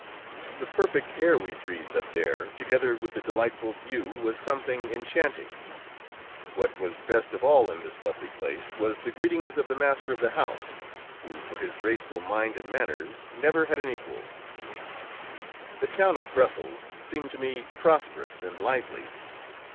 The perfect air we breathed up there, together with the delightful view, was something enchanting. What was best of all in this lovely place was the greetings of the master of the house, who for his graceful mind and manners never had an equal. [Illustration: THE DAUPHIN Son of Louis XVI. and Marie Antoinette.] The town of Brussels seemed to me prosperous and lively.